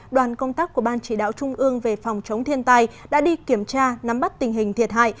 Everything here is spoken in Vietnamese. đoàn công tác của ban chỉ đạo trung ương về phòng chống thiên tai đã đi kiểm tra nắm bắt tình hình thiệt hại